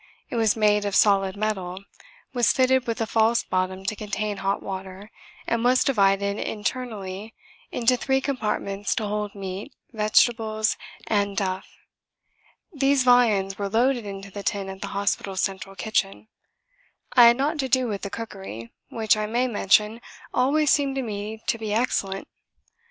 It was made of solid metal, was fitted with a false bottom to contain hot water, and was divided internally into three compartments to hold meat, vegetables and duff. These viands were loaded into the tin at the hospital's central kitchen. I had naught to do with the cookery which I may mention always seemed to me to be excellent.